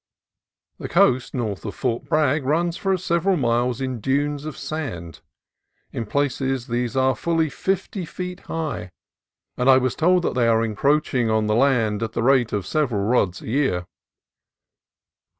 The coast north of Fort Bragg runs for several miles in dunes of sand. In places these are fully fifty feet high, and I was told that they are encroach ing on the land at the rate of several rods a year.